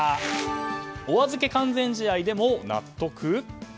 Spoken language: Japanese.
お預け完全試合でも納得？